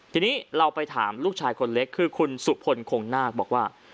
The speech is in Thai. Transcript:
ทีนี้เราไปถามลูกชายคนเล็กคือคุณสุพลคงนาคบอกว่า